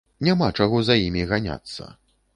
Няма чаго за імі ганяцца.